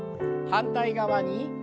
反対側に。